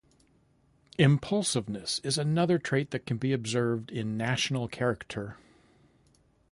Impulsiveness is another trait that can be observed in national character.